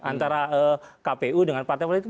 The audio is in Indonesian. antara kpu dengan partai politik